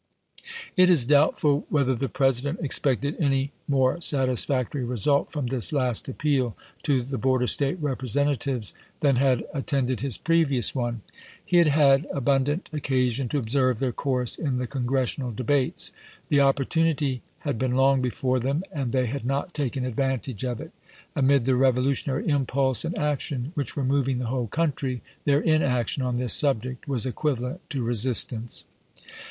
It is doubtful whether the President expected any more satisfactory result from this last appeal to the border State Representatives than had attend ed his previous one. He had had abundant occa sion to observe their course in the Congressional debates; the opportunity had been long before them, and they had not taken advantage of it ; amid the revolutionary impulse and action which were moving the whole country, their inaction on this subject was equivalent to resistance.